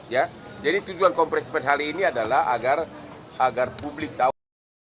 ya jadi tujuan kompresi pers hari ini adalah agar publik tahu